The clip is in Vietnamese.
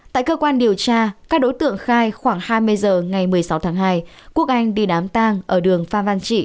tại cơ quan điều tra các đối tượng khai khoảng hai mươi h ngày một mươi sáu tháng hai quốc anh đi đám tang ở đường phan văn trị